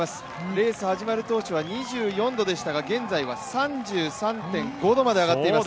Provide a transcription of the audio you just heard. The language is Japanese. レースが始まる当初は２４度でしたが、現在は３３．５度まで上がっています。